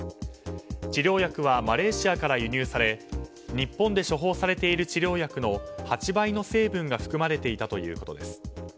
治療薬はマレーシアから輸入され日本で処方されている治療薬の８倍の成分が含まれていたということです。